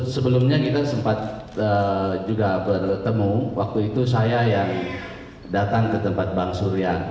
sebelumnya kita sempat juga bertemu waktu itu saya yang datang ke tempat bang surya